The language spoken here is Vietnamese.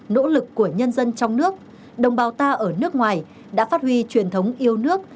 nỗ lực của nhân dân trong nước đồng bào ta ở nước ngoài đã phát huy truyền thống yêu nước